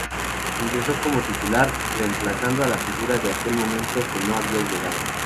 Ingresó como titular, reemplazando a la figura de aquel momento, que no había llegado.